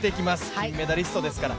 金メダリストですから。